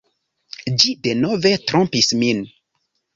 Ĝi denove trompis min.